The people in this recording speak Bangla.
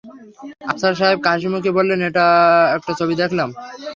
আফসার সাহেব হাসিমুখে বললেন, একটা ছবি দেখলাম।